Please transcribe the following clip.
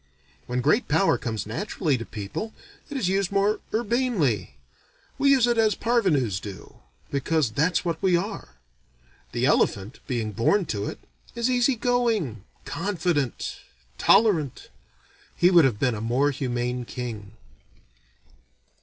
When great power comes naturally to people, it is used more urbanely. We use it as parvenus do, because that's what we are. The elephant, being born to it, is easy going, confident, tolerant. He would have been a more humane king.